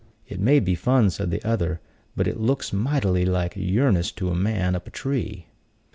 "It may be fun," said the other, "but it looks mightily like yearnest to a man up a tree."